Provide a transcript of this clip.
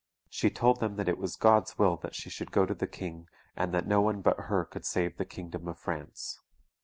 She told them that it was God's will that she should go to the King, and that no one but her could save the kingdom of France.